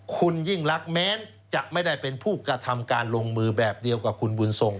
คุณยิ่งรักแม้จะไม่ได้เป็นผู้กระทำการลงมือแบบเดียวกับคุณบุญทรง